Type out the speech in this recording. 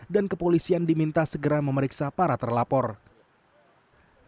dan kepolisian diminta segera memeriksa para terlalu berbelit belit